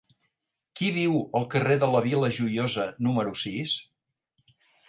Qui viu al carrer de la Vila Joiosa número sis?